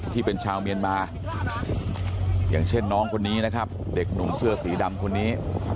ที่เป็นชาวเมียนมาอย่างเช่นน้องคนนี้นะครับเด็กหนุ่มเสื้อสีดำคนนี้